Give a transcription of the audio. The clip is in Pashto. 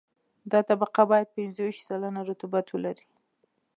دا طبقه باید پنځه ویشت سلنه رطوبت ولري